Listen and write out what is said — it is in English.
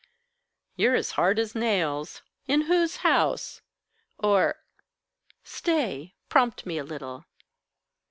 "You're as hard as nails. In whose house? Or stay. Prompt me a little.